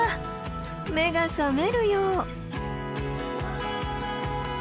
目が覚めるよう。